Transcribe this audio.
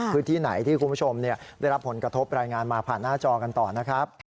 พื้นที่ไหนที่คุณผู้ชมได้รับผลกระทบรายงานมาผ่านหน้าจอกันต่อนะครับ